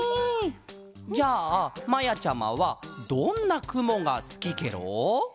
じゃあまやちゃまはどんなくもがすきケロ？